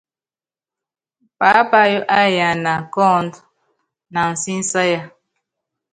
Paápayɔ́ áyana kɔ́ ɔɔ́nd na ansísáya.